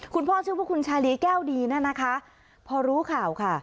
คุณพ่อชื่อว่าคุณชาลีแก้วดีเนี่ยนะคะพอรู้ข่าวค่ะ